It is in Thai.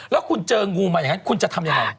แล้วคุณเจองูมาอย่างนั้นคุณจะทำยังไง